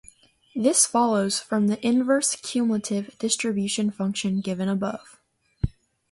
This follows from the inverse cumulative distribution function given above.